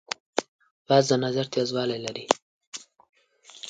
باز د نظر تیزوالی لري